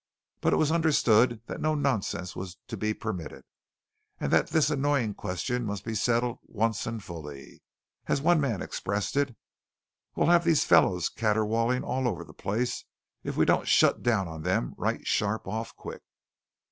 But it was understood that no nonsense was to be permitted, and that this annoying question must be settled at once and fully. As one man expressed it: "We'll have these fellows caterwauling all over the place if we don't shut down on them right sharp off quick."